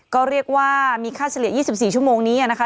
ก็เรียกว่ามีค่าเฉลี่ย๒๔ชั่วโมงนี้นะคะ